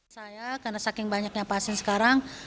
saya karena saking banyaknya pasien sekarang